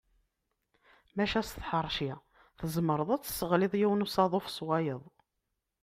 Maca s tḥerci tzemreḍ ad tesseɣliḍ yiwen n usaḍuf s wayeḍ.